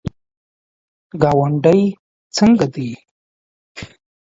ګاونډی څنګه دی؟